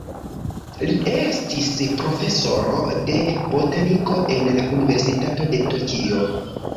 Li estis profesoro de botaniko en la Universitato de Tokio.